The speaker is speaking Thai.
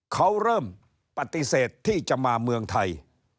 เขาเริ่มปฏิเสธที่จะมาเมืองไทย